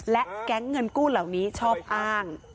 และแก๊งเงินกู้เหล่านี้ชอบอ้าง